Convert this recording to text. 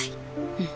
うん。